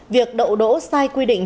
việc đậu đỗ sai quy định